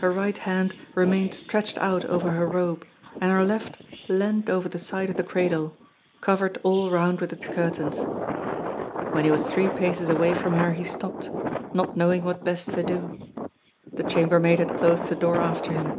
Her right hand remained stretched out over her robe and her left leaned over the side of the cradle, covered all round with its curtains. When he was three paces away from her he stopped, not knowing what best to do. The chambermaid had closed the door after him.